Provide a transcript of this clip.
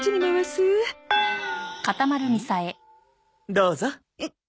どうぞ。